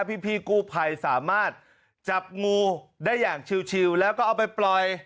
พี่กู้ภัยสามารถจับงูได้อย่างชิวแล้วก็เอาไปปล่อย